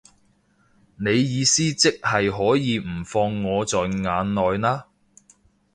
你意思即係可以唔放我在眼內啦